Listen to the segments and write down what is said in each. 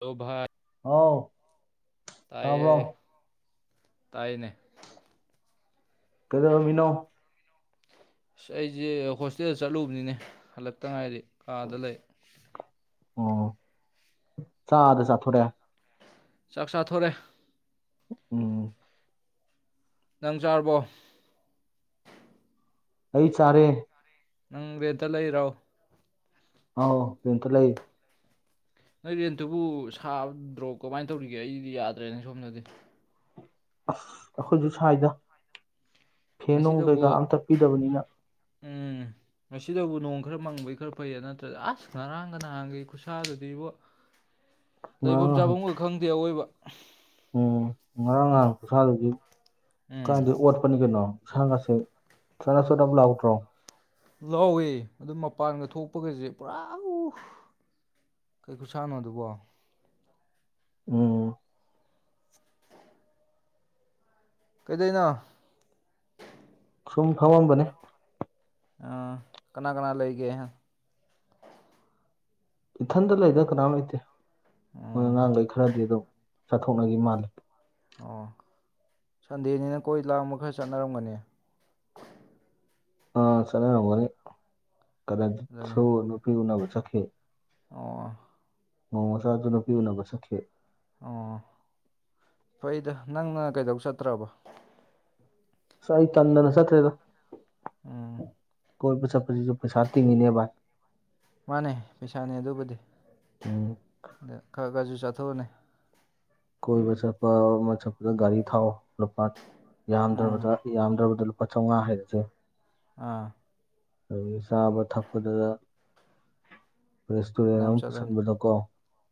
ꯍꯜꯂꫭ ꯚꯥꯏ ꯍꯥꯎ ꯇꯥꯏꯌꯦ ꯇꯥꯏꯅꯦ ꯀꯩꯗꯧꯔꯝꯃꯤꯅꯣ ꯑꯁ ꯑꯩꯁꯦ ꯍꯣꯁꯇꯦꯜ ꯆꯠꯂꯨꯕꯅꯤꯅꯦ ꯍꯜꯂꯛꯇ ꯉꯥꯏꯔꯤ ꯀꯥꯗ ꯂꯩ ꯑꯣ ꯆꯥꯛ ꯑꯥꯗ ꯆꯥꯊꯣꯔꯦ ꯆꯥꯛ ꯆꯥꯊꯣꯔꯦ ꯎꯝ ꯅꯪ ꯆꯥꯔꯕꯣ ꯑꯩꯩ ꯆꯔꯦ ꯅꯪ ꯔꯦꯠꯇ ꯂꯩꯔꯣ ꯑꯥꯎ ꯔꯦꯟꯇ ꯂꯩ ꯅꯣꯏ ꯔꯦꯟꯇꯨꯕꯨ ꯁꯥꯕ ꯗ꯭ꯔꯣꯞ ꯀꯃꯥꯏꯅ ꯇꯧꯔꯤꯒꯦ ꯑꯩꯗꯤ ꯌꯥꯗ꯭ꯔꯦꯅꯦ ꯁꯣꯝꯗꯗꯤ ꯑꯁ ꯑꯩꯈꯣꯏꯁꯨ ꯁ꯭ꯋꯥꯏꯗ ꯐꯦꯅꯨꯡ ꯉꯁꯤꯗꯕꯨ ꯀꯩꯀꯥ ꯑꯝꯇ ꯄꯤꯗꯕꯅꯤꯅ ꯎꯝ [inaudible] ꯉꯁꯤꯗꯕꯨ ꯅꯣꯡ ꯈꯔ ꯃꯪꯕꯩ ꯈꯔ ꯐꯩꯌꯦ ꯅꯠꯇ꯭ꯔꯗꯤ ꯑꯁ ꯉꯔꯥꯡꯒ ꯅꯍꯥꯡꯒꯤ ꯈꯨꯠꯁꯥꯗꯨꯗꯤꯕꯨ [inaudible] ꯂꯩꯐꯝ ꯉꯍꯥꯡ ꯆꯥꯐꯝꯈ ꯈꯪꯗꯦ ꯑꯋꯣꯏꯕ ꯎꯝ ꯉꯔꯥꯡ ꯉꯍꯥꯡ ꯈꯨꯠꯁꯥꯗꯒꯤ ꯎꯝ ꯀꯥꯏꯗ ꯑꯣꯠ ꯄꯅꯤ ꯀꯩꯅꯣ ꯏꯁꯥꯒꯁꯦ ꯆꯅꯞ ꯆꯅꯞ ꯂꯥꯎꯗꯔꯣ ꯂꯥꯎꯋꯦ ꯑꯗꯨ ꯃꯄꯥꯟꯗ ꯊꯣꯛꯄꯒꯁꯦ ꯄꯨꯔꯥ ꯀꯩ ꯈꯨꯨꯁꯥꯅꯣ ꯑꯗꯨꯕꯣ ꯎꯝ ꯀꯩꯗꯧꯅꯣ ꯁꯨꯝ ꯐꯝꯃꯝꯕꯅꯦ ꯑꯥ ꯀꯅꯥ ꯀꯅꯥ ꯂꯩꯒꯦ ꯏꯊꯟꯗ ꯂꯩꯗ ꯀꯅꯥꯝ ꯂꯩꯇꯦ ꯃꯣꯏ ꯎꯝ ꯑꯉꯥꯡꯈꯩ ꯈꯔꯗꯤ ꯑꯗꯨꯝ ꯆꯥꯊꯣꯛꯅꯈꯤ ꯃꯥꯜꯂꯤ ꯑꯣ ꯁꯟꯗꯦꯅꯤꯅ ꯀꯣꯏ ꯂꯥꯡꯕ ꯈꯔ ꯆꯠꯅꯔꯝꯒꯅꯤ ꯑꯥ ꯆꯠꯅꯔꯝꯒꯅꯤ ꯑꯗꯨꯅꯤ ꯀꯩꯅꯁꯨ ꯅꯨꯄꯤ ꯎꯅꯕ ꯆꯠꯈꯤ ꯑꯣ ꯃꯣꯃꯣꯆꯥꯗꯨ ꯅꯨꯄꯤ ꯎꯅꯕ ꯆꯠꯈꯤ ꯑꯣ ꯐꯩꯗ ꯅꯪꯅ ꯀꯩꯗꯧ ꯆꯠꯇ꯭ꯔꯕꯣ ꯑꯥꯁ ꯑꯩ ꯇꯟꯗꯅ ꯆꯠꯇꯔ꯭ꯦꯗꯥ ꯎꯝ ꯀꯣꯏꯕ ꯆꯠꯞꯁꯤꯁꯨ ꯄꯩꯁꯥ ꯇꯤꯡꯉꯤꯅꯦ ꯕꯥꯏ ꯃꯥꯅꯦ ꯄꯩꯁꯥꯅꯦ ꯑꯗꯨꯕꯨꯗꯤ ꯎꯝ ꯑ ꯈꯔ ꯈꯔꯁꯨ ꯆꯠꯊꯣꯛꯑꯅꯦ ꯀꯣꯏꯕ ꯆꯠꯄ ꯑꯃ ꯆꯠꯄꯗ ꯒꯥꯔꯤ ꯊꯥꯎ ꯂꯨꯄꯥ ꯎꯝ ꯌꯥꯝꯗ꯭ꯔꯕꯗ ꯌꯥꯝꯗ꯭ꯔꯕꯗ ꯂꯨꯄꯥ ꯆꯧꯉꯥ ꯍꯥꯏꯔꯤꯁꯦ ꯑꯥ ꯑꯗꯨꯗꯒꯤ ꯆꯥꯕ ꯊꯛꯄꯗꯗ ꯔꯦꯁꯇꯨꯔꯦꯟ ꯐꯅꯌꯥꯝ ꯑꯃ ꯆꯠꯂꯅꯤ ꯄꯨꯁꯤꯟꯕꯗꯀꯣ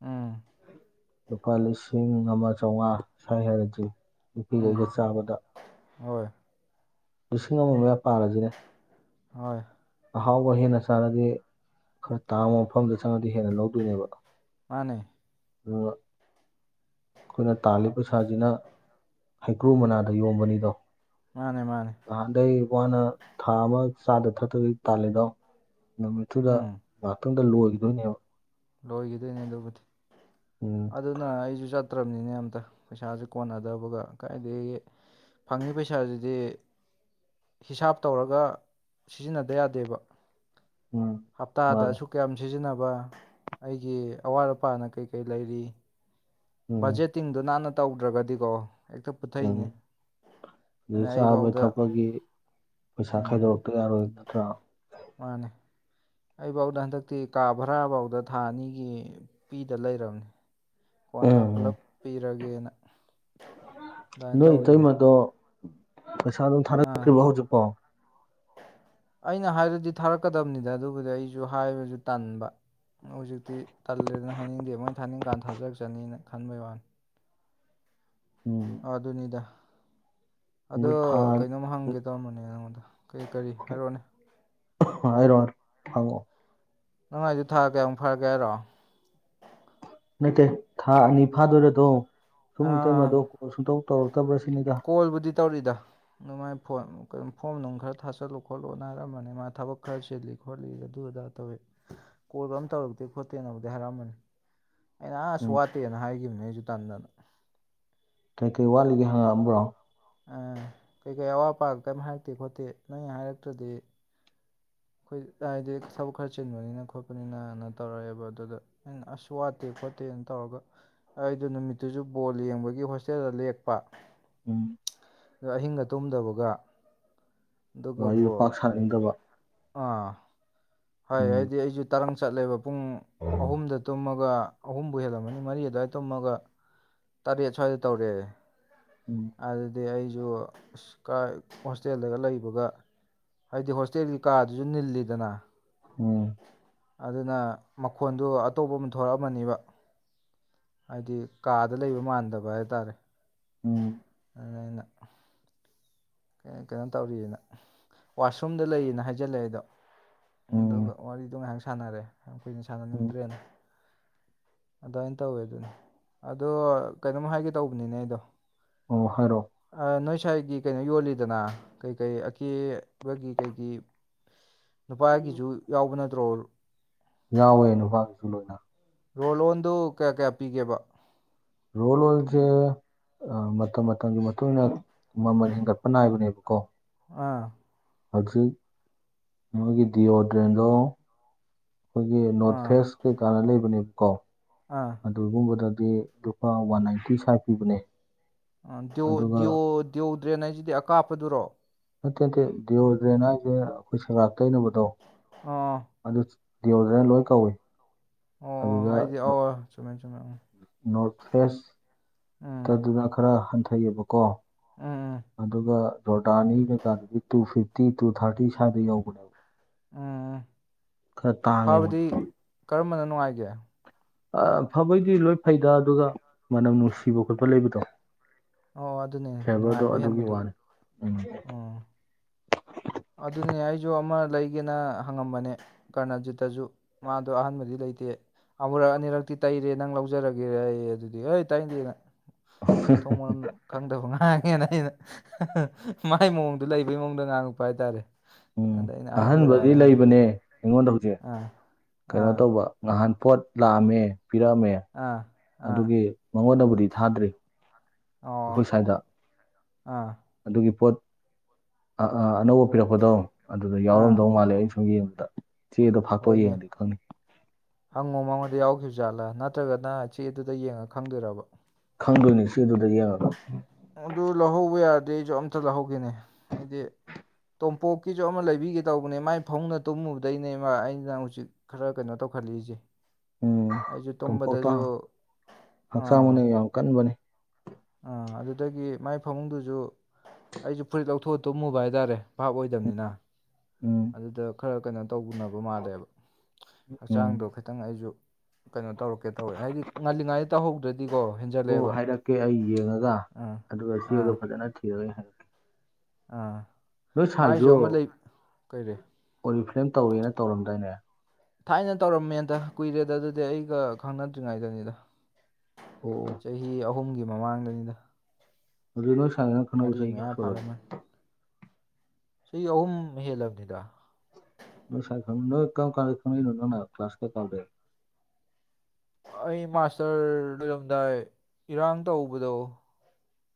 ꯎꯝ ꯂꯨꯄꯥ ꯂꯤꯁꯤꯡ ꯑꯃ ꯆꯥꯝꯃꯉꯥ ꯁ꯭ꯋꯥꯏ ꯍꯥꯏꯔꯗꯤ ꯎꯝ ꯅꯨꯄꯤꯈꯩꯒ ꯆꯥꯕꯗ ꯍꯣꯏ ꯂꯤꯁꯤꯡ ꯑꯃ ꯃꯌꯥ ꯄꯥꯜꯂꯁꯤꯅꯦ ꯍꯣꯏ ꯑꯍꯥꯎꯕ ꯍꯦꯟꯅ ꯆꯥꯔꯗꯤ ꯈꯔ ꯇꯥꯡꯕ ꯃꯐꯝꯗ ꯆꯪꯉꯗꯤ ꯍꯦꯟꯅ ꯂꯧꯗꯣꯏꯅꯦꯕ ꯃꯥꯅꯦ ꯑꯗꯨꯒ ꯑꯩꯈꯣꯏꯅ ꯇꯥꯜꯂꯤ ꯄꯩꯁꯥꯁꯤꯅ ꯍꯩꯀ꯭ꯔꯨ ꯃꯅꯥꯗ ꯌꯣꯕꯅꯤꯗꯣ ꯃꯥꯅꯦ ꯃꯥꯅꯦ ꯅꯍꯥꯟꯗꯩ ꯋꯥꯅ ꯊꯥ ꯑꯃ ꯆꯥꯗ ꯊꯛꯇꯕꯤ ꯇꯥꯜꯂꯤꯗꯣ ꯅꯨꯃꯤꯠꯇꯨꯗ ꯎꯝ ꯉꯥꯏꯍꯥꯛꯇꯪꯗ ꯂꯣꯏꯈꯤꯗꯣꯏꯅꯦꯕ ꯂꯣꯏꯈꯤꯗꯣꯏꯅꯦ ꯑꯗꯨꯕꯨꯗꯤ ꯎꯝ ꯑꯗꯨꯅ ꯑꯩꯁꯨ ꯆꯠꯇ꯭ꯔꯕꯅꯤꯅꯦ ꯑꯝꯇ ꯄꯩꯁꯥꯁꯦ ꯀꯣꯟꯅꯗꯕꯒ ꯀꯥꯏꯗꯒꯤ ꯐꯪꯤ ꯄꯩꯁꯥ ꯑꯗꯨꯗꯤ ꯍꯤꯁꯥꯞ ꯇꯧꯔꯒ ꯁꯤꯖꯤꯟꯅꯗ ꯌꯥꯗꯦꯕ ꯎꯝ ꯃꯥꯅꯦ ꯍꯞꯇꯥꯗꯁꯨ ꯀꯌꯥꯝ ꯁꯤꯖꯤꯟꯅꯕ ꯑꯩꯒꯤ ꯑꯋꯥꯠ ꯑꯄꯥꯅ ꯀꯩ ꯀꯩ ꯂꯩꯔꯤ ꯎꯝ ꯕꯖꯦꯠꯇꯤꯡꯗꯣ ꯅꯥꯟꯅ ꯇꯧꯗ꯭ꯔꯒꯗꯤꯀꯣ ꯍꯦꯛꯇ ꯄꯨꯊꯏꯅꯦ ꯑꯩ ꯆꯥꯕ ꯊꯛꯄꯒꯤ ꯄꯩꯁꯥ ꯎꯝ ꯈꯥꯏꯗꯣꯔꯛꯇ ꯌꯥꯔꯣꯏ ꯅꯠꯇ꯭ꯔꯥ ꯃꯥꯅꯦ ꯑꯩꯐꯧꯗ ꯍꯟꯗꯛꯇꯤ ꯀꯥ ꯚꯔꯥꯐꯧꯗ ꯊꯥ ꯑꯅꯤꯒꯤ ꯄꯤꯗ ꯂꯩꯔꯕꯅꯦ ꯎꯝ ꯎꯝ ꯏꯔꯒꯦꯅ ꯅꯣꯏ ꯏꯇꯩꯃꯗꯣ ꯄꯩꯁꯥ ꯑꯗꯨꯝ ꯑꯥ ꯊꯥꯔꯛꯇ꯭ꯔꯤꯕꯣ ꯍꯧꯖꯤꯛꯐꯣ [unintelligible] ꯑꯩꯅ ꯍꯥꯏꯔꯗꯤ ꯊꯥꯔꯛꯀꯗꯕꯅꯤꯗ ꯑꯗꯨꯕꯨꯗꯤ ꯑꯩꯁꯨ ꯍꯥꯏꯕꯁꯨ ꯇꯟꯕ ꯍꯧꯖꯤꯛꯇꯤ ꯇꯜꯂꯦꯗꯅ ꯍꯥꯏꯅꯤꯡꯗꯦ ꯃꯣꯏꯅ ꯊꯥꯅꯤꯡ ꯀꯥꯟꯗ ꯊꯥꯖꯔꯛꯆꯅꯤꯅ ꯈꯟꯕꯩ ꯋꯥꯅꯤ ꯎꯝ ꯑꯗꯨꯅꯤꯗ ꯑꯗꯨ ꯑꯗꯣ ꯊꯥ ꯀꯩꯅꯣꯝ ꯍꯪꯒꯦ ꯇꯧꯔꯝꯕꯅꯦ ꯅꯉꯣꯟꯗ ꯀꯔꯤ ꯀꯔꯤ ꯍꯥꯏꯔꯛꯅꯦ ꯍꯥꯏꯔꯣ ꯐꯥꯉꯣ ꯅꯅꯨꯡꯉꯥꯏꯗꯨ ꯊꯥ ꯀꯌꯥꯃꯨꯛ ꯐꯔꯒꯦ ꯍꯥꯏꯔꯣ ꯅꯇꯦ ꯊꯥ ꯑꯅꯤ ꯐꯥꯗꯣꯏꯔꯗꯣ ꯁꯨꯝ ꯑꯥ ꯏꯇꯃꯗꯣ ꯀꯣꯜ ꯁꯨꯡꯇꯧ ꯇꯧꯔꯛꯇꯕ꯭ꯔꯥ ꯁꯤꯅꯤꯗ ꯀꯣꯜꯕꯨꯗꯤ ꯇꯧꯔꯤꯗ ꯑꯗꯨ ꯃꯥꯏ ꯐ ꯐꯣꯝ ꯅꯨꯡ ꯈꯔ ꯊꯥꯆꯜꯂꯣ ꯈꯣꯠꯂꯣ ꯅꯥꯔꯝꯕꯅꯦ ꯃꯥ ꯊꯕꯛ ꯈꯔ ꯆꯦꯜꯂꯤ ꯈꯣꯂꯤꯒ ꯑꯗꯨ ꯑꯗꯥ ꯇꯧꯋꯦ [unintelligible] ꯀꯣꯜ ꯀꯔꯝ ꯇꯧꯔꯛꯇꯦ ꯈꯣꯠꯇꯦꯅꯕꯨꯗꯤ ꯍꯥꯏꯔꯛꯝꯕꯅꯤ ꯑꯩꯅ ꯑꯁꯨ ꯎꯝ ꯋꯥꯠꯇꯦꯅ ꯍꯥꯏꯈꯤꯕꯅꯦ ꯑꯩꯁꯨ ꯇꯟꯗꯅ ꯀꯩ ꯀꯩ ꯋꯥꯠꯂꯤꯒꯦ ꯍꯪꯉꯛꯑꯝꯕ꯭ꯔꯣ ꯀꯩ ꯀꯩ ꯑꯋꯥꯠ ꯑꯄꯥ ꯀꯔꯤꯝ ꯍꯥꯏꯔꯛꯇꯦ ꯈꯣꯠꯇꯦ ꯅꯣꯏ ꯍꯥꯏꯔꯛꯇ꯭ꯔꯗꯤ ꯑꯩꯈꯣꯏ ꯍꯥꯏꯗꯤ ꯊꯕꯛ ꯈꯔ ꯆꯤꯟꯕꯅꯤꯅ ꯈꯣ ꯄꯅꯤꯅꯅ ꯇꯧꯔꯛꯑꯦꯕ ꯑꯗꯨꯗ ꯑꯩꯅ ꯑꯁ ꯋꯥꯠꯇꯦ ꯈꯣꯠꯇꯦꯅ ꯇꯧꯔꯒ ꯑꯩꯗꯣ ꯅꯨꯃꯤꯠꯇꯨꯁꯨ ꯕꯣꯜ ꯌꯦꯡꯕꯒꯤ ꯍꯣꯁꯇꯦꯜꯗ ꯂꯦꯛꯄ ꯎꯝ ꯑ ꯑꯍꯤꯡꯒ ꯇꯨꯝꯗꯕꯒ ꯑꯗꯨꯒꯕꯨ ꯋꯥꯔꯤꯗꯣ ꯄꯥꯛ ꯁꯥꯅꯤꯡꯗꯕ ꯑꯥ ꯍꯥꯏ ꯎꯝ ꯍꯥꯏꯗꯤ ꯑꯩꯁꯨ ꯇꯔꯪ ꯆꯠꯂꯦꯕ ꯄꯨꯡ ꯎꯝ ꯑꯍꯨꯝꯗ ꯇꯨꯝꯃꯒ ꯑꯍꯨꯝꯕꯨ ꯍꯦꯜꯂꯝꯃꯅꯤ ꯃꯔꯤ ꯑꯗꯨꯋꯥꯏ ꯇꯨꯝꯃꯒ ꯇꯔꯦꯠ ꯁ꯭ꯋꯥꯏꯗ ꯇꯧꯔꯛꯦ ꯎꯝ ꯑꯗꯨꯗꯤ ꯑꯩꯁꯨ ꯍꯣꯁꯇꯦꯜꯗꯒ ꯂꯩꯕꯒ ꯍꯥꯏꯗꯤ ꯍꯣꯁꯇꯦꯜꯒꯤ ꯀꯥꯗꯨꯁꯨ ꯅꯤꯜꯂꯤꯗꯅ ꯑꯣꯝ ꯑꯗꯨꯅ ꯃꯈꯣꯟꯗꯨ ꯑꯇꯣꯞꯄ ꯑꯃ ꯊꯣꯛꯣꯔꯛꯑꯃꯅꯦꯕ ꯍꯥꯏꯗꯤ ꯀꯥꯗ ꯂꯩꯕ ꯃꯥꯟꯗꯕ ꯍꯥꯏꯇꯥꯔꯦ ꯎꯝ ꯑꯅ ꯀꯩꯅꯣ ꯇꯧꯔꯤꯑꯅ ꯋꯥꯁꯔꯨꯝꯗ ꯂꯩꯌꯦꯅ ꯍꯥꯏꯖꯜꯂꯛꯑꯦ ꯑꯗꯣ ꯑꯗꯨꯒ ꯎꯝ ꯋꯥꯔꯤꯗꯣ ꯉꯥꯏꯍꯥꯛ ꯁꯥꯟꯅꯔꯦ ꯌꯥꯝ ꯀꯨꯏꯅ ꯎꯝ ꯁꯥꯟꯅꯅꯤꯡꯗ꯭ꯔꯦꯅ ꯑꯗꯨꯃꯥꯏꯅ ꯇꯧꯋꯦ ꯑꯗꯨꯅꯦ ꯑꯗꯣ ꯀꯩꯅꯣꯝ ꯍꯥꯏꯒꯦ ꯇꯧꯕꯅꯤꯅꯦ ꯑꯩꯗꯣ ꯑꯣꯍꯔꯣ ꯅꯣꯏ ꯁ꯭ꯥꯏꯒꯤ ꯀꯩꯅꯣ ꯌꯣꯜꯂꯤꯗꯅ ꯀꯩꯀꯩ ꯑꯀꯦꯕꯒꯤ ꯀꯩꯒꯤ ꯅꯨꯄꯥꯒꯤꯖ ꯌꯥꯎꯕ ꯅꯠꯇ꯭ꯔꯣ ꯌꯥꯎꯋꯦ ꯅꯨꯄꯥꯒꯤꯁꯨ ꯂꯣꯏꯅ ꯔꯣꯜ ꯑꯣꯟꯗꯨ ꯀꯌꯥ ꯀꯌꯥ ꯄꯤꯒꯦꯕ ꯔꯣꯜ ꯋꯥꯣꯜꯁꯦ ꯃꯇꯝ ꯃꯇꯝꯒꯤ ꯃꯇꯨꯡ ꯏ ꯃꯇꯨꯡꯏꯟꯅ ꯃꯃꯜ ꯍꯦꯟꯒꯠꯄ ꯅꯥꯏꯕꯅꯦꯕꯀꯣ ꯑꯥ ꯍꯧꯖꯤꯛ ꯃꯣꯏꯒꯤ ꯗꯤꯑꯣꯣꯗ꯭ꯔꯦꯟꯗꯣ ꯑꯩꯈꯣꯏꯒꯤ ꯅꯣꯔꯠ ꯑꯥ ꯐꯦꯁ ꯀꯩ ꯀꯥꯟꯅ ꯂꯩꯕꯅꯦꯕ ꯀꯣ ꯑꯥ ꯑꯗꯨꯒꯨꯝꯕꯗꯗꯤ ꯂꯨꯄꯥ ꯋꯥꯟ ꯅꯥꯏꯟꯇꯤ ꯁ꯭ꯋꯥꯏ ꯄꯤꯕꯅꯦ ꯌ ꯗꯤꯌꯣ ꯑꯗꯨꯒ ꯗꯗꯤꯌꯎ ꯗ꯭ꯔꯦꯟ ꯍꯥꯏꯁꯤꯗꯤ ꯑꯀꯥꯞꯄꯗꯨꯔꯣ ꯅꯠꯇꯦ ꯅꯠꯇꯦ ꯗꯤꯑꯣꯣꯗ꯭ꯔꯦꯟ ꯍꯥꯏꯁꯦ ꯑꯩꯈꯣꯏ ꯁꯒꯥꯛ ꯇꯩꯅꯕꯗꯣ ꯑꯥ ꯑꯗꯨ ꯗꯤꯑꯣꯣꯗ꯭ꯔꯦꯟ ꯂꯣꯏ ꯀꯧꯏ ꯑꯣ ꯑꯗꯨꯗ ꯑꯩꯗꯤ ꯑꯧ ꯆꯨꯝꯃꯦ ꯆꯨꯝꯃꯦ ꯅꯣꯔꯠ ꯎꯝ ꯐꯦꯁꯇꯗꯨꯗ ꯈꯔ ꯍꯟꯊꯩꯌꯦꯕꯀꯣ ꯎꯝ ꯎꯝ ꯑꯗꯨꯒ ꯖꯣꯔꯗꯥꯅꯤ ꯀꯩꯀꯥꯗꯗꯤ ꯇꯨ ꯐꯤꯐꯇꯤ ꯇꯨ ꯊꯥꯔꯇꯤ ꯁ꯭ꯋꯥꯏꯗ ꯌꯧꯕꯅꯦꯕ ꯎꯝ ꯈꯔ ꯇꯥꯡꯉꯦ ꯃꯣꯏ ꯐꯕꯗꯤ ꯀꯔꯝꯕꯅ ꯅꯨꯡꯉꯥꯏꯒꯦ ꯑ ꯐꯕꯩꯗꯤ ꯂꯣꯏ ꯐꯩꯗ ꯑꯗꯨꯒ ꯃꯅꯝ ꯅꯨꯡꯁꯤꯕ ꯈꯣꯠꯄ ꯂꯩꯕꯗꯣ ꯑꯣ ꯑꯗꯨꯅꯦ ꯐꯦꯕꯔꯗꯣ ꯅꯨꯡꯉꯥꯏꯕ ꯑꯗꯨꯒꯤ ꯍꯦꯟꯕꯗꯣ ꯋꯥꯅꯤ ꯎꯝ ꯎꯝ ꯑꯗꯨꯅꯦ ꯑꯩꯁꯨ ꯑꯃ ꯂꯩꯒꯦꯅ ꯍꯪꯉꯝꯕꯅꯦ ꯀꯔꯅꯖꯤꯠꯇꯁꯨ ꯃꯥꯗꯣ ꯑꯍꯥꯟꯕꯗꯤ ꯂꯩꯇꯦ ꯑꯃꯨꯔꯛ ꯑꯅꯤꯔꯛꯇꯤ ꯇꯩꯔꯦ ꯅꯪ ꯂꯧꯖꯔꯒꯦꯔꯦ ꯑꯩ ꯑꯗꯨꯗꯤ ꯍ ꯇꯩꯗꯦ ꯅꯪ ꯃꯊꯊꯧ ꯃꯔꯝ ꯈꯪꯗꯕ ꯉꯥꯡꯉꯦꯅ ꯑꯩꯅ ꯃꯥꯏ ꯃꯑꯣꯡꯗꯣ ꯂꯩꯕꯒꯤ ꯃꯑꯣꯡꯗ ꯉꯥꯡꯉꯛꯄ ꯍꯥꯏꯇꯥꯔꯦ ꯎꯝ ꯑꯗ ꯑꯩꯅ ꯑꯍꯥꯟꯕꯗꯤ ꯑꯍꯪꯕ꯭ꯔꯥꯅ ꯍꯪꯕꯕꯨ ꯂꯩꯕꯅꯦ ꯑꯩꯉꯣꯟꯗ ꯍꯧꯖꯤꯛ ꯑꯥ ꯀꯩꯅꯣ ꯑꯥ ꯇꯧꯕ ꯉꯍꯥꯟ ꯄꯣꯠ ꯂꯥꯛꯑꯝꯃꯦ ꯄꯤꯔꯛꯑꯝꯃꯦ ꯑꯥ ꯑꯥ ꯑꯗꯨꯒꯤ ꯃꯉꯣꯟꯗꯕꯨꯗꯤ ꯊꯥꯗ꯭ꯔꯤ ꯑꯣ ꯑꯩꯈꯣꯏ ꯁ꯭ꯋꯥꯏꯗ ꯑꯥ ꯑꯗꯨꯒꯤ ꯄꯣꯠ ꯑ ꯑꯥ ꯑꯅꯧꯕ ꯍꯥꯄꯤꯔꯛꯄꯗꯧ ꯑꯗꯨꯗ ꯑꯥ ꯌꯥꯎꯔꯝꯗꯧ ꯃꯥꯜꯂꯦ ꯑꯩꯅ ꯁꯨꯝ ꯌꯦꯡꯕꯗ ꯆꯦꯗꯣ ꯐꯥꯛꯇꯣꯛ ꯌꯦꯡꯉꯗꯤ ꯈꯪꯅꯤ ꯍꯪꯉꯨ ꯃꯉꯣꯟꯗ ꯌꯥꯎꯈꯤꯕ ꯖꯥꯠꯂꯥ ꯅꯠꯇ꯭ꯔꯒꯅ ꯆꯦ ꯑꯗꯨꯗ ꯌꯦꯡꯉ ꯈꯪꯗꯣꯏꯔꯕ ꯈꯪꯗꯣꯏꯅꯤ ꯁꯤ ꯑꯗꯨꯗ ꯌꯥꯔ ꯑꯗꯨ ꯂꯧꯍꯧꯕ ꯌꯥꯗꯦ ꯑꯩꯁꯨ ꯑꯝꯇ ꯂꯧꯍꯧꯒꯦꯅꯤ ꯑꯩꯗꯤ ꯇꯣꯝꯄꯣꯛꯀꯤꯁꯨ ꯑꯃ ꯂꯩꯕꯤꯒꯦ ꯇꯧꯕꯅꯦ ꯃꯥꯏ ꯐꯧꯅ ꯇꯨꯝꯃꯨꯕꯗꯩꯅꯦꯕ ꯑꯩꯅ ꯍꯧꯖꯤꯛ ꯈꯔ ꯀꯩꯅꯣ ꯇꯧꯈꯠꯂꯛꯏꯁꯦ ꯎꯝ ꯑꯩꯁꯨ ꯇꯣꯝꯄꯣꯛꯇꯣ ꯇꯨꯝꯕꯗꯁꯨ ꯍꯛꯆꯥꯡ ꯑꯥ ꯃꯅ ꯌꯥꯝ ꯀꯟꯕꯅꯦ ꯑꯥ ꯑꯗꯨꯗꯒꯤ ꯃꯥꯏ ꯐꯃꯨꯡꯗꯨꯁꯨ ꯑꯩꯁꯨ ꯐꯨꯔꯤꯠ ꯂꯧꯊꯣꯛꯑ ꯇꯨꯝꯃꯨꯕ ꯍꯥꯏꯇꯥꯔꯦ ꯚꯥꯞ ꯑꯣꯏꯗꯕꯅꯤꯅ ꯎꯝ ꯑꯗꯨꯗ ꯈꯔ ꯀꯩꯅꯣ ꯇꯧꯕꯅꯕ ꯃꯥꯜꯂꯦꯕ ꯎꯝ ꯍꯛꯆꯥꯡꯗꯣ ꯈꯤꯇꯪ ꯑꯩꯁꯨ ꯀꯩꯅꯣ ꯇꯧꯔꯛꯀꯦ ꯇꯧꯋꯦ ꯍꯥꯏꯗꯤ ꯉꯥꯜꯂꯤꯉꯩꯗ ꯇꯧꯍꯧꯗ꯭ꯔ ꯍꯦꯟ ꯑꯣ ꯍꯥꯏꯔꯛꯀꯦ ꯑꯩ ꯌꯦꯡꯉꯒ ꯑꯗꯨꯒ ꯆꯦꯗꯣ ꯑꯥ ꯐꯖꯅ ꯊꯤꯔꯒꯦ ꯍꯥꯏꯔꯛꯀꯦ ꯑꯥ ꯅꯣꯏ ꯁꯥꯏꯖ ꯃꯥꯏꯁꯨ ꯑꯃ ꯂꯩ ꯀꯩꯔꯦ ꯑꯣꯔꯤꯜ ꯐ꯭ꯂꯦꯝ ꯇꯧꯔꯦꯅ ꯇꯧꯔꯝꯗꯥꯣꯏꯅꯦ ꯊꯥꯏꯅ ꯇꯧꯔꯝꯃꯦꯗ ꯀꯨꯏꯔꯦꯗ ꯑꯗꯨꯗꯤ ꯑꯩꯒ ꯈꯪꯅꯗ꯭ꯔꯤꯉꯩꯗꯅꯤꯗ ꯑꯣ ꯆꯍꯤ ꯑꯍꯨꯝꯒꯤ ꯃꯃꯥꯡꯗꯅꯤꯗ ꯑꯗꯨ ꯅꯣꯏ ꯁꯥꯟꯅ ꯈꯪꯅꯕ ꯃꯔꯤ ꯆꯍꯤ ꯀꯌꯥ ꯃꯌꯥ ꯁꯨꯔꯛꯒꯦ ꯁꯤ ꯑꯍꯨꯝ ꯍꯦꯜꯂꯕꯅꯤꯗ ꯅ ꯁꯥꯏ ꯅꯣꯏ ꯀ ꯀꯜꯅꯅ ꯐ ꯀ꯭ꯂ꯭ꯂ ꯀ ꯀꯗ ꯑꯩ ꯃꯥꯁꯇꯔ ꯂꯣꯏꯔꯝꯗꯥꯏ ꯏꯔꯥꯡ ꯇꯧꯕꯗꯣ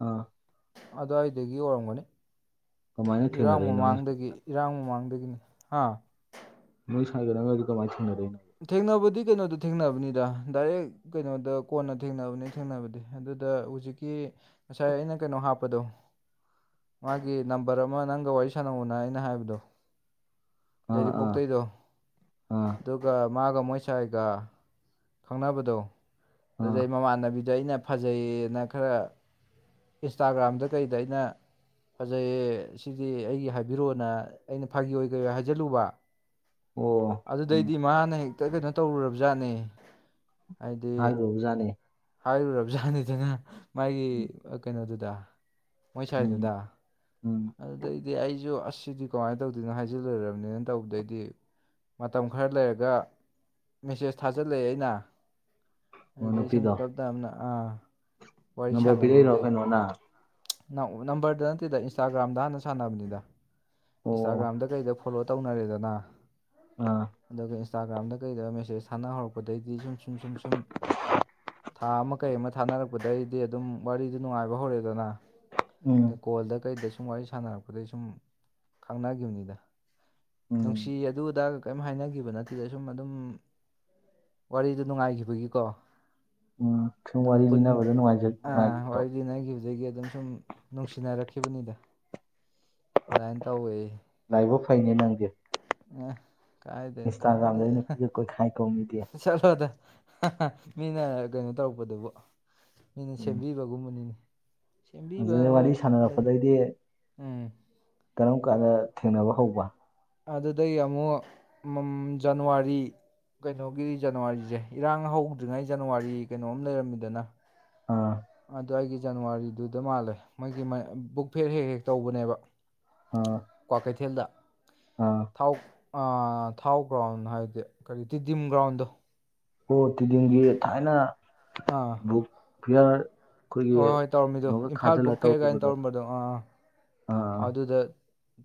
ꯑꯥ ꯑꯗꯨꯋꯥꯏꯗꯒꯤ ꯑꯣꯏꯔꯝꯒꯅꯤ ꯀꯃꯥꯏꯅ ꯏꯔꯥꯡ ꯊꯦꯡꯅꯔꯛꯏꯅꯣ ꯅꯣꯏ ꯁꯥꯏꯒ ꯃꯃꯥꯡꯗꯒꯤ ꯏꯔꯥꯡ ꯃꯃꯥꯡꯗꯒꯤꯅꯤ ꯍꯥ ꯅꯣꯏ [unintelligible] ꯀꯃꯥꯏ ꯊꯦꯡꯅꯗꯣꯏꯅꯣ ꯊꯦꯡꯅꯕꯗꯤ ꯀꯩꯅꯣꯗ ꯊꯦꯡꯅꯕꯅꯤꯗ ꯗꯥꯏꯔꯦꯛ ꯀꯩꯅꯣꯗ ꯀꯣꯟꯅ ꯊꯦꯡꯅꯕꯅꯦ ꯊꯦꯡꯅꯕꯗꯤ ꯑꯗꯨꯗ ꯍꯧꯖꯤꯛꯀꯤ ꯉꯁꯥꯏ ꯑꯩꯅ ꯀꯩꯅꯣ ꯍꯥꯞ ꯆꯄꯗꯣ ꯃꯥꯒꯤ ꯅꯝꯕꯔ ꯑꯃ ꯅꯪꯒ ꯋꯥꯔꯤ ꯁꯥꯟꯅꯧꯕꯅ ꯑꯩꯅ ꯍꯥꯏꯕꯗꯣ ꯑꯥ ꯑꯥ ꯌꯥꯏꯔꯤꯄꯣꯛꯇꯩꯗꯣ ꯑꯥ ꯑꯗꯨꯒ ꯃꯥꯒ ꯃꯣꯏ ꯁꯥꯏꯒ ꯈꯪꯅꯕꯗꯣ ꯑꯥ ꯑꯗꯨꯗꯩ ꯃꯃꯥꯟꯅꯕꯤꯗꯣ ꯑꯩꯅ ꯐꯖꯩꯌꯦꯅ ꯈꯔ ꯏꯟꯁꯇꯥꯒ꯭ꯔꯥꯝꯗ ꯀꯩꯗ ꯑꯩꯅ ꯐꯖꯩꯌꯦ ꯁꯤꯗꯤ ꯑꯩꯒꯤ ꯍꯥꯏꯕꯤꯔꯣꯅ ꯑꯩꯅꯥ ꯐꯥꯒꯤꯑꯣꯏ ꯀꯩꯑꯣꯏ ꯍꯥꯏ ꯖꯂꯨꯕ ꯑꯣ ꯎꯝ ꯑꯗꯨꯗꯩꯗꯤ ꯃꯥꯅ ꯍꯦꯛꯇ ꯀꯩꯅꯣ ꯇꯧꯔꯨꯔꯕꯖꯥꯠꯅꯦ ꯍꯥꯏꯗꯤ ꯖꯅꯦ ꯍꯥꯏꯔꯨꯔꯕꯖꯥꯅꯤꯗꯅ ꯃꯥꯒꯤ ꯎꯝ ꯀꯩꯅꯣꯗꯨꯗ ꯃꯣꯏ ꯎꯝ ꯁꯥꯏꯗꯨꯗ ꯎꯝ ꯑꯗꯨꯗꯩꯗꯤ ꯑꯩꯁꯨ ꯑꯥꯖ ꯁꯤꯗꯤ ꯀꯃꯥꯏ ꯇꯧꯗꯨꯏꯅꯣ ꯍꯥꯏꯖꯤꯜꯂꯨꯔꯝꯅꯤꯅ ꯇꯧꯕꯗꯩꯗꯤ ꯃꯇꯝ ꯈꯔ ꯂꯩꯔꯒ ꯃꯦꯁꯦꯖ ꯊꯥꯖꯤꯜꯂꯦ ꯑꯩꯅ ꯑꯣ ꯑꯗꯨꯗꯩ ꯅꯨꯄꯤꯗꯣ [unintelligible] ꯇꯞ ꯇꯞꯅ ꯑꯥ ꯋꯥꯔꯤ ꯅꯝꯕꯔ ꯄꯤꯔꯛꯏꯔꯣ ꯁꯥꯟꯅꯒꯤꯕꯗꯩꯩ ꯀꯩꯅꯣꯅ ꯅꯝ ꯅꯝꯕꯔꯗ ꯅꯠꯇꯦꯗ ꯏꯟꯁꯇꯥꯒ꯭ꯔꯥꯝꯗ ꯍꯥꯟꯅ ꯁꯥꯟꯅꯕꯅꯤꯗ ꯑꯣ ꯏꯟꯁꯇꯥꯒ꯭ꯔꯥꯝꯗ ꯀꯩꯗ ꯐꯣꯂꯣ ꯇꯧꯅꯔꯦꯗꯅꯥ ꯑꯥ ꯑꯗꯨꯒ ꯏꯟꯁꯇꯥꯒ꯭ꯔꯥꯝꯗ ꯀꯩꯗ ꯃꯦꯁꯦꯁ ꯊꯥꯅ ꯍꯧꯔꯛꯄꯗꯩꯩꯗꯤ ꯁꯨꯝ ꯁꯨꯝ ꯁꯨꯝ ꯁꯨꯝ ꯊꯥ ꯑꯃ ꯀꯩ ꯑꯃ ꯊꯥꯅꯔꯛꯄꯗꯩꯗꯤ ꯑꯗꯨꯝ ꯋꯥꯔꯤꯗꯨ ꯅꯨꯡꯉꯥꯏꯕ ꯍꯧꯔꯦꯗꯅꯥ ꯗ ꯎꯝ ꯀꯣꯜꯗ ꯀꯩꯗ ꯁꯨꯝ ꯋꯥꯔꯤ ꯁꯥꯟꯅꯔꯛꯄꯗꯩꯩ ꯁꯨꯝ ꯈꯪꯅꯒꯤꯝꯅꯤꯗ ꯎꯝ ꯅꯨꯡꯁꯤ ꯑꯗꯨꯗꯥ ꯀꯩꯝ ꯍꯥꯏꯅꯒꯤꯕ ꯅꯠꯇꯦꯗ ꯁꯨꯝ ꯑꯗꯨꯝ ꯋꯥꯔꯤꯗꯨ ꯅꯨꯡꯉꯥꯏꯈꯤꯕꯒꯤꯀꯣ ꯑꯣ ꯑꯗꯨꯝ ꯄꯨꯟ ꯑꯥ ꯋꯥꯔꯤ ꯂꯤꯅꯒꯤꯕꯗꯒꯤ ꯑꯗꯨꯝ ꯁꯨꯝ ꯅꯨꯡꯁꯤꯅꯔꯛꯈꯤꯕꯅꯤꯗ ꯑꯗꯨꯃꯥꯏꯅ ꯇꯧꯋꯦ ꯂꯥꯏꯕꯛ ꯐꯩꯅꯦ ꯅꯪꯗꯤ ꯑꯥ ꯀꯥꯏꯗꯩꯩ ꯀꯥꯏꯗꯦ ꯏꯟꯁꯇꯥꯒ꯭ꯔꯥꯝꯗꯒꯤ ꯑꯥ ꯅꯨꯄꯤꯒ ꯀꯣꯏꯈꯥꯏ ꯀꯣ ꯃꯤꯗꯤ ꯆꯠꯂꯣꯗ ꯃꯤꯅ ꯀꯩꯅꯣ ꯇꯧꯔꯛꯄꯗꯨꯕꯨ ꯃꯤꯅ ꯎꯝ ꯁꯦꯝꯕꯤꯕꯒꯨꯝꯕꯅꯤꯗ ꯁꯦꯝꯕꯤꯕ ꯑꯗꯨꯗꯩ ꯍꯣꯏ ꯋꯥꯔꯤ ꯑꯗꯨꯅꯤ ꯁꯥꯟꯅꯔꯛꯄꯗꯩꯗꯤ ꯎꯝ ꯀꯔꯝ ꯀꯥꯟꯗ ꯊꯦꯡꯅꯕ ꯍꯧꯕ ꯑꯗꯨꯗꯒꯤ ꯑꯃꯨꯛ ꯎꯝ ꯖꯟꯋꯥꯔꯤ ꯀꯩꯅꯣꯒꯤ ꯖꯟꯋꯥꯔꯤꯁꯦ ꯏꯔꯥꯡ ꯍꯧꯗ꯭ꯔꯤꯉꯩ ꯖꯟꯋꯥꯔꯤ ꯀꯩꯅꯣꯝ ꯂꯩꯔꯝꯃꯤꯗꯅꯥ ꯑꯥ ꯑꯗꯨꯋꯥꯏꯒꯤ ꯖꯟꯋꯥꯔꯤꯗꯨꯗ ꯃꯥꯜꯂꯦ ꯃꯣꯏꯒꯤ ꯕꯨꯛ ꯐꯦꯠ ꯍꯦꯛ ꯍꯦꯛ ꯇꯧꯕꯅꯦꯕꯥ ꯑꯥ ꯀꯋ꯭ꯥꯛꯀꯩꯊꯦꯜꯗ ꯑꯥ ꯊꯥꯎ ꯑꯥ ꯊꯥꯎ ꯒ꯭ꯔꯥꯎꯟ ꯍꯥꯏꯗꯤ ꯀꯔꯤ ꯇꯤꯗꯤꯝ ꯒ꯭ꯔꯥꯎꯟꯗꯣ ꯑꯣ ꯇꯤꯗꯤꯝꯒꯤ ꯊꯥꯏꯅ ꯑꯥ ꯕꯨꯛ ꯐꯤꯌꯥꯔ ꯑꯩꯈꯣꯏꯒꯤ ꯍꯣꯏ ꯍꯣꯏ ꯇꯧꯔꯝꯃꯤꯗꯣ ꯀꯩꯅꯣꯒ ꯏꯝꯐꯥꯜ ꯈꯥꯖꯤꯜꯂ ꯕꯨꯛ ꯐꯤꯌꯔ ꯀꯥꯏꯅ ꯇꯧꯒꯤꯕꯗꯣ ꯇꯧꯔꯝꯕꯗꯣ ꯑꯥ ꯑꯥ ꯑꯗꯨꯗ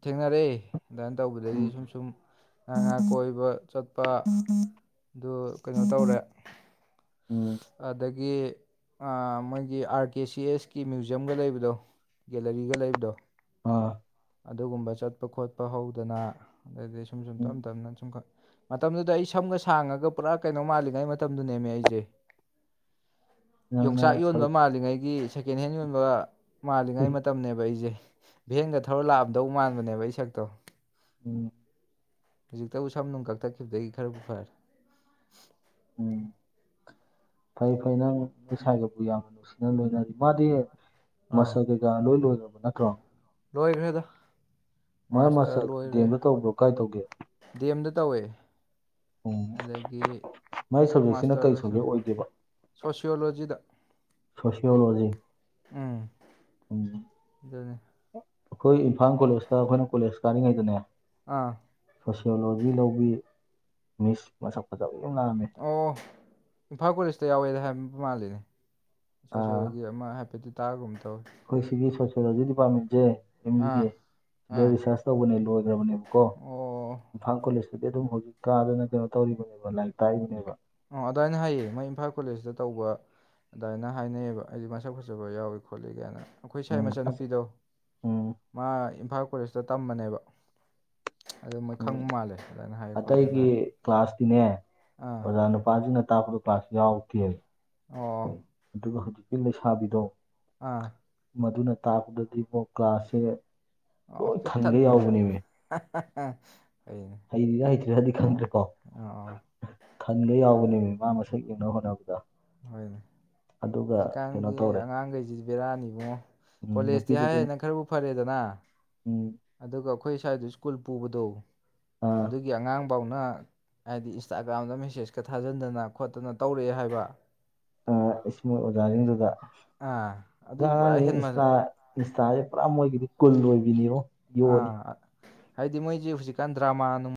ꯊꯦꯡꯅꯔꯦ ꯑꯗꯨꯃꯥꯏꯅ ꯇꯧꯕꯗꯩꯩ ꯎꯝ ꯁꯨꯝ ꯁꯨꯝ ꯑꯥ ꯑꯥ ꯀꯣꯏꯕ ꯆꯠꯄ ꯑꯗꯨ ꯀꯩꯅꯣ ꯇꯧꯔꯦ ꯎꯝ ꯑꯗ ꯒꯤ ꯑꯥ ꯃꯣꯏꯒꯤ ꯑꯥꯔꯀꯦ ꯁꯤꯑꯦꯁ ꯀꯤ ꯃ꯭ꯌꯨꯖꯤꯝꯒ ꯂꯩꯕꯗꯣ ꯒꯦꯂꯔꯤꯒ ꯂꯩꯕꯗꯣ ꯑꯥ ꯑꯗꯨꯒꯨꯝꯕ ꯆꯠꯄ ꯈꯣꯠꯄ ꯍꯧꯗꯅ ꯑꯗꯩꯗꯤ ꯁꯨꯝ ꯁꯨꯝ ꯎꯝ ꯇꯞ ꯇꯞꯅ ꯁꯨꯝ ꯃꯇꯝꯗꯨꯗ ꯑꯩ ꯁꯝꯒ ꯁꯥꯡꯉꯒ ꯄꯨꯔꯥ ꯀꯩꯅꯣ ꯃꯥꯜꯂꯤꯉꯩ ꯃꯇꯝꯗꯨ ꯅꯦꯝꯃꯦ ꯑꯩꯁꯦ ꯅꯪꯅ ꯌꯣꯡꯆꯥꯛ ꯌꯣꯟꯕ ꯁꯔꯨꯛ ꯃꯥꯜꯂꯤꯉꯩꯒꯤ ꯁꯦꯀꯦꯟ ꯍꯦꯟ ꯌꯣꯟꯕ ꯃꯥꯜꯂꯤꯉꯩ ꯃꯇꯝꯅꯦꯕ ꯑꯩꯁꯦ ꯚꯦꯟꯒ ꯊꯧꯔ ꯂꯥꯛꯑꯝꯗꯧ ꯃꯥꯟꯕꯅꯦꯕ ꯑꯩ ꯁꯛꯇꯣ ꯎꯝ ꯍꯧꯖꯤꯛꯇꯕꯨ ꯁꯝꯅꯨꯡ ꯀꯛꯊꯠꯈꯤꯕꯗꯒꯤ ꯈꯔꯕꯨ ꯐꯥꯔꯦ ꯎꯝ ꯐꯩ ꯐꯩ ꯅꯪ ꯅꯣꯏ ꯏꯁꯥꯏꯒꯕꯨ ꯌꯥꯝꯅ ꯅꯨꯡꯁꯤꯅꯅ ꯂꯣꯏꯅꯔꯤ ꯃꯥꯗꯤ ꯑꯥ ꯃꯁꯛ ꯀꯩꯀꯥ ꯂꯣꯏ ꯂꯣꯏꯈ꯭ꯔꯕ ꯅꯠꯇ꯭ꯔꯣ ꯂꯣꯏꯈ꯭ꯔꯦꯗ ꯃꯔꯛ ꯃꯥꯁꯇꯔ ꯃꯁꯛ ꯒꯦꯝꯗꯣ ꯇꯧꯕ꯭ꯔꯣ ꯀꯥꯏ ꯇꯧꯒꯦ ꯗꯦꯝꯗ ꯇꯧꯋꯦ ꯎꯝ ꯑꯗꯒꯤ ꯃꯥꯏ ꯁꯕꯖꯦꯛꯁꯤꯅ ꯀꯩ ꯃꯥꯁꯇꯔ ꯁꯕꯖꯦꯛ ꯑꯣꯏꯒꯦꯕ ꯁꯣꯁꯤꯌꯣꯂꯣꯖꯤꯗ ꯁꯣꯁꯤꯌꯣꯂꯣꯖꯤ ꯎꯝ ꯎꯝ ꯑꯗꯨꯅꯤ ꯑꯩꯈꯣꯏ ꯏꯝꯐꯥꯜ ꯀꯣꯂꯦꯖꯇ ꯑꯩꯈꯣꯏꯅ ꯀꯣꯂꯦꯖ ꯀꯥꯔꯤꯉꯩꯗꯅꯦ ꯑꯥ ꯁꯣꯁꯤꯌꯣꯂꯣꯖꯤ ꯂꯧꯕꯤ ꯃꯤꯁ ꯃꯁꯛ ꯐꯖꯕ ꯂ ꯅꯥꯑꯝꯃꯤ ꯑꯣ ꯏꯝꯐꯥꯜ ꯀꯣꯂꯦꯖꯇ ꯌꯥꯎꯋꯦꯗ ꯍꯥꯏ ꯃꯥꯜꯂꯤꯅꯦ ꯏꯁꯣꯏ ꯑꯥ ꯁꯣꯏꯒꯤ ꯑꯃ ꯍꯥꯏꯐꯦꯠꯇꯤ ꯇꯥꯒꯨꯝꯕ ꯇꯧꯋꯤ ꯑꯩꯈꯣꯏ ꯁꯤꯒꯤ ꯁꯣꯁꯤꯌꯣꯂꯣꯖꯤ ꯗꯤꯄꯥꯔꯠꯃꯦꯟꯁꯦ ꯑꯦꯝ ꯑꯥ ꯌꯨꯒꯤ ꯁꯤꯗ ꯑꯥ ꯔꯤꯁꯥꯔꯁ ꯇꯧꯕꯅꯦ ꯂꯣꯏꯈ꯭ꯔꯕꯅꯦꯕꯀꯣ ꯑꯣ ꯏꯝꯐꯥꯜ ꯀꯣꯂꯦꯖꯇꯗꯤ ꯑꯗꯨꯝ ꯍꯧꯖꯤꯛ ꯀꯥꯗꯅ ꯀꯩꯅꯣ ꯇꯧꯔꯤꯕꯅꯦꯕ ꯂꯥꯏꯔꯤꯛ ꯇꯥꯛꯏꯕꯅꯦꯕ ꯑꯣ ꯑꯗꯨꯃꯥꯏꯅ ꯍꯥꯏꯌꯦ ꯃꯣꯏ ꯏꯝꯐꯥꯜ ꯀꯣꯂꯦꯖꯇ ꯇꯧꯕ ꯑꯗꯨꯃꯥꯏꯅ ꯍꯥꯏꯅꯩꯑꯕ ꯑꯩꯗꯤ ꯃꯁꯛ ꯐꯖꯕ ꯌꯥꯎꯏ ꯈꯣꯠꯂꯤ ꯀꯥꯏꯅ ꯑꯩꯈꯣꯏ ꯁ ꯎꯝ ꯑꯁ ꯃꯆꯥꯟꯅꯨꯄꯤꯗꯣ ꯎꯝ ꯃꯥ ꯏꯝꯐꯥꯜ ꯀꯂꯦꯁꯇ ꯇꯝꯕꯅꯦꯕ ꯑꯗꯨ ꯃꯣꯏ ꯎꯝ ꯈꯪꯕ ꯃꯥꯜꯂꯦ ꯑꯗꯨꯃꯥꯏꯅ ꯍꯥꯏ ꯈꯣꯠꯂꯦꯅ ꯑꯇꯩꯒꯤ ꯍꯥꯏ ꯀ꯭ꯂꯥꯁꯇꯤꯅꯦ ꯑꯥ ꯑꯣꯖꯥ ꯅꯨꯄꯁꯤꯡ ꯅ ꯇꯥꯛꯄꯗ ꯄꯥꯛ ꯌꯥꯎꯗꯦ ꯑꯣ ꯑꯗꯨꯒ ꯍꯧꯖꯤꯛꯀꯤ ꯂꯩꯁꯥꯕꯤꯗꯣ ꯑꯥ ꯃꯗꯨꯅ ꯇꯥꯛꯄꯗꯗꯤ ꯑꯃꯛ ꯀ꯭ꯂꯥꯁꯁꯦ ꯂꯣꯏ ꯊꯜꯒꯩ ꯌꯥꯎꯕꯅꯦꯃꯤ ꯍꯥ ꯍꯥ ꯍꯥ ꯐꯩꯅꯦ ꯍꯩꯔꯤꯔ ꯍꯩꯇ꯭ꯔꯤꯔ ꯍꯥꯏꯗꯤ ꯈꯪꯗ꯭ꯔꯦꯀꯣ ꯑꯣ ꯑꯣ ꯈꯪꯒꯩ ꯑꯗꯨꯅꯤ ꯌꯥꯎꯕꯅꯦꯃꯤ ꯁꯒꯤ ꯍꯅ ꯄꯨꯥ ꯍꯣꯏꯅꯦ ꯍꯧꯖꯤꯛꯀꯥꯟꯒꯤ ꯇꯧꯔꯦ ꯑꯉꯥꯡꯈꯩꯁꯤꯗꯤ ꯕꯦꯔꯥꯅꯤ ꯏꯕꯨꯉꯣ ꯎꯝ ꯀꯣꯂꯦꯖꯇꯤ ꯍꯥꯏ ꯅꯨꯄꯤꯗꯨꯁꯨ ꯍꯥꯏꯅ ꯈꯔꯕꯨ ꯐꯔꯦꯗꯅ ꯎꯝ ꯑꯗꯨꯒ ꯑꯩꯈꯣꯏ ꯁ꯭ꯋꯥꯏꯗ ꯁ꯭ꯀꯨꯜ ꯄꯨꯕꯗꯣ ꯑꯥ ꯑꯗꯨꯒꯤ ꯑꯉꯥꯡ ꯄꯥꯎꯅ ꯍꯥꯏꯗꯤ ꯏꯟꯁꯇꯥꯒ꯭ꯔꯥꯝꯗ ꯃꯦꯁꯦꯁꯀ ꯊꯥꯖꯤꯟꯗꯅ ꯈꯣꯠꯇꯅ ꯇꯧꯔꯛꯑꯦ ꯍꯥꯏꯕ ꯏꯁꯃꯨ ꯑꯣꯖꯥꯁꯤꯡꯗꯨꯗ ꯑꯥ ꯑꯗꯨ ꯄꯨꯔꯥ ꯑꯉꯥꯡꯁꯤꯡ ꯍꯦꯟꯃꯜ ꯏꯟꯁꯇꯥꯁꯦ ꯄꯨꯔꯥ ꯃꯣꯏꯒꯤꯗꯤ ꯀꯨꯜ ꯑꯣꯏꯕꯤꯅꯤꯕꯣ ꯑꯥ ꯍꯥꯏꯗꯤ ꯃꯣꯏꯁꯤ ꯍꯧꯖꯤꯛꯀꯥꯟ ꯗ꯭ꯔꯃꯥ ꯅꯨꯡ